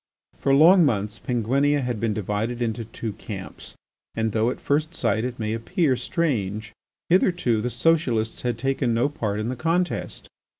For long months Penguinia had been divided into two camps and, though at first sight it may appear strange, hitherto the socialists had taken no part in the contest.